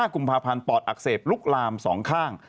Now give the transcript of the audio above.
กุมภาพันธ์ปอดอักเสบลุกลาม๒ข้าง